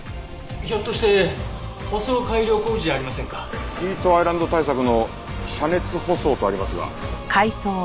ひょっとして舗装改良工事じゃありませんか？「ヒートアイランド対策の遮熱舗装」とありますが。